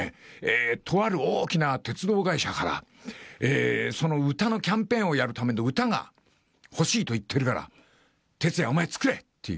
とある大きな鉄道会社から、歌のキャンペーンをやるための歌が欲しいと言ってるから、鉄矢、お前、作れっていう。